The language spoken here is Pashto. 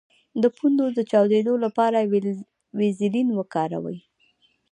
د پوندو د چاودیدو لپاره ویزلین وکاروئ